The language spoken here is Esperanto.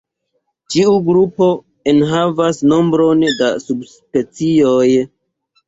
Ĉiu grupo enhavas nombron da subspecioj.